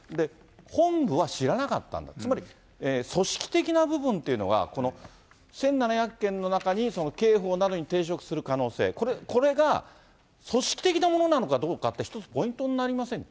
本部は知らなかったんだと、つまり組織的な部分っていうのがこの１７００件の中に刑法などに抵触する可能性、これが組織的なものなのかどうかって、そうですね。